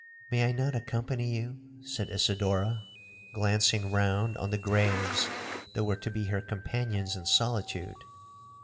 'May I not accompany you?' said Isidora, glancing round on the graves that were to be her companions in solitude.